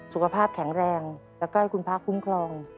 สุขภาพแข็งแรงแล้วก็ให้คุณพระคุ้มครอง